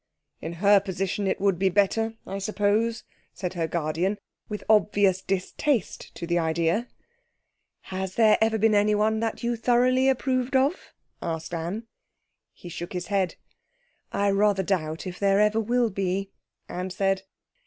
'In her position it would be better, I suppose,' said her guardian, with obvious distaste to the idea. 'Has there ever been anyone that you thoroughly approved of?' asked Anne. He shook his head. 'I rather doubt if there ever will be,' Anne said.